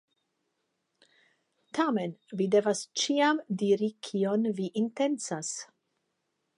Tamen, vi devas ĉiam diri kion vi intencas.